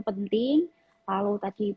penting lalu tadi